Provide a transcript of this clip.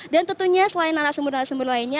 dan tentunya selain narasumber narasumber lainnya